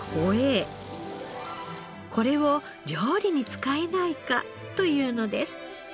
これを料理に使えないか？というのです。